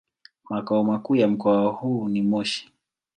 Makao makuu ya mkoa huu ni Moshi.